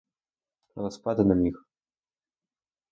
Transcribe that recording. Але спати не міг.